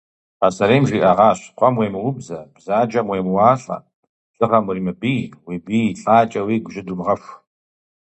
Пасэрейм жиӏэгъащ: къуэм уемыубзэ, бзаджэм уемыуалӏэ, лӏыгъэм уримыбий, уи бий лӏакӏэ уигу жьы думыгъэху.